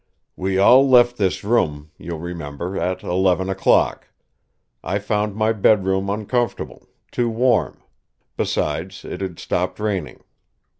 "We all left this room, you'll remember, at eleven o'clock. I found my bedroom uncomfortable, too warm. Besides, it had stopped raining.